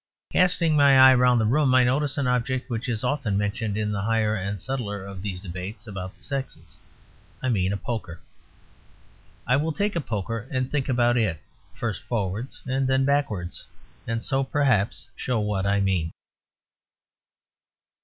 Casting my eye round the room, I notice an object which is often mentioned in the higher and subtler of these debates about the sexes: I mean a poker. I will take a poker and think about it; first forwards and then backwards; and so, perhaps, show what I mean.